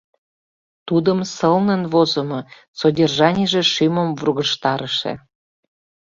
Тудым сылнын возымо, содержанийже шӱмым вургыжтарыше.